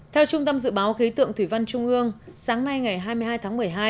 theo trung tâm dự báo khí tượng thủy văn trung ương sáng nay ngày hai mươi hai tháng một mươi hai